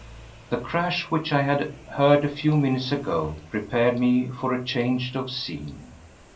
The crash which I had heard a few minutes ago prepared me for a change of scene.